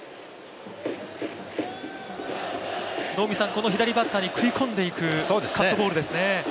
この左バッターに食い込んでいくカットボールですね。